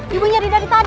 ibu nyari dari tadi